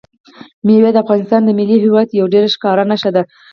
مېوې د افغانستان د ملي هویت یوه ډېره ښکاره نښه ده.